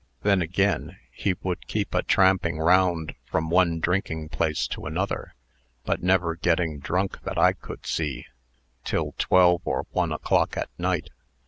Then, again, he would keep a tramping round from one drinking place to another but never getting drunk that I could see till twelve or one o'clock at night.